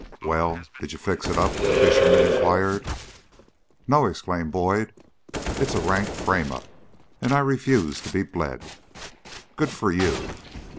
"Well, did you fix it up?" the fisherman inquired. "No," exclaimed Boyd. "It's a rank frame up, and I refused to be bled." "Good for you."